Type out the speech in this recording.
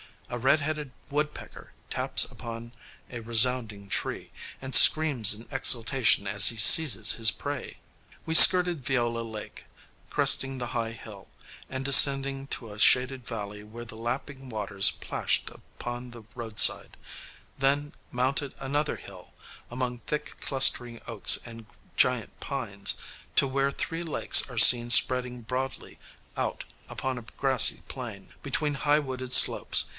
A red headed woodpecker taps upon a resounding tree and screams in exultation as he seizes his prey. We skirted Viola Lake, cresting the high hill, and descending to a shaded valley where the lapping waters plashed upon the roadside: then mounted another hill, among thick clustering oaks and giant pines, to where three lakes are seen spreading broadly out upon a grassy plain between high wooded slopes.